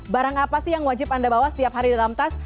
barang apa sih yang wajib anda bawa setiap hari dalam tas